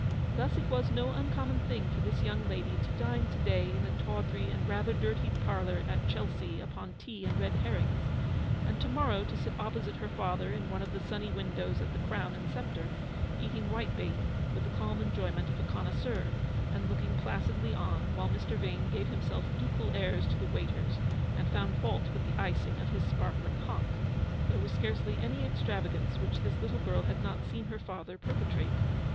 Thus it was no uncommon thing for this young lady to dine to day in a tawdry and rather dirty parlour at Chelsea upon tea and red herrings, and to morrow to sit opposite her father in one of the sunny windows at the Crown and Sceptre, eating white bait with the calm enjoyment of a con noisseur, and looking placidly on while Mr. Vane gave himself ducal airs to the waiters, and found fault with the icing of his sparkling hock. There was scarcely any extravagance which this little girl had not seen her father perpetrate.